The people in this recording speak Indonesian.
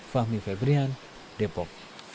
fahmi febrian depok